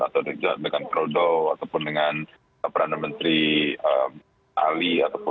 atau dengan prodo ataupun dengan perdana menteri ali